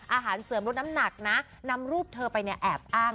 อาหารเสริมลดน้ำหนักนะนำรูปเธอไปเนี่ยแอบอ้าง